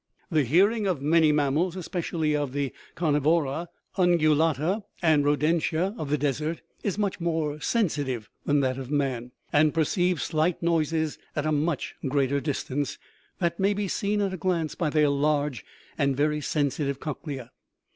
The hearing of many mammals, especially of the carnivora, ungu lata, and rodentia of the desert, is much more sensi tive than that of man, and perceives slight noises at a much greater distance ; that may be seen at a glance by their large and very sensitive cochlea.